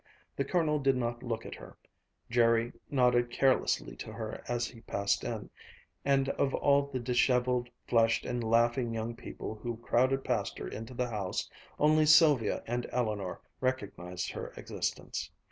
The Colonel did not look at her, Jerry nodded carelessly to her as he passed in, and of all the disheveled, flushed, and laughing young people who crowded past her into the house, only Sylvia and Eleanor recognized her existence.